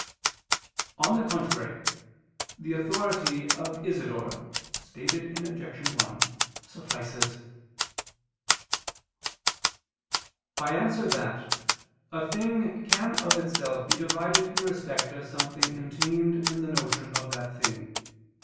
On the contrary, The authority of Isidore (Obj. 1) suffices. I answer that, A thing can of itself be divided in respect of something contained in the notion of that thing.